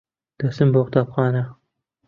دەچم بۆ قوتابخانە.